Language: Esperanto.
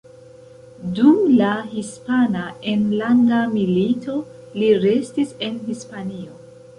Dum la Hispana Enlanda Milito li restis en Hispanio.